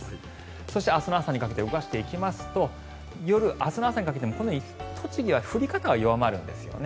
そして、明日の朝にかけて動かしていきますと明日の朝にかけても、栃木は降り方は弱まるんですよね。